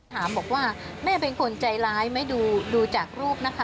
ถามบอกว่าแม่เป็นคนใจร้ายไหมดูจากรูปนะคะ